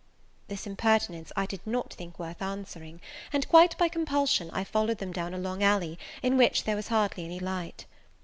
This impertinence I did not think worth answering; and, quite by compulsion, I followed them down a long alley, in which there was hardly any light.